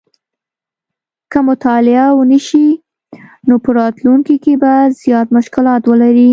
که مطالعه ونه شي نو په راتلونکي کې به زیات مشکلات ولري